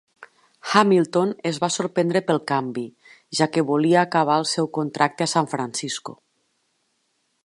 Hamilton es va sorprendre pel canvi, ja que volia acabar el seu contracte a San Francisco.